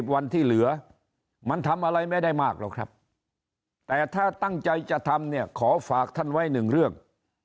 วันที่เหลือมันทำอะไรไม่ได้มากหรอกครับแต่ถ้าตั้งใจจะทำเนี่ยขอฝากท่านไว้หนึ่งเรื่อง